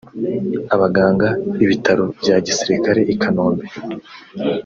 Abaganga b’Ibitaro bya Gisirikare i Kanombe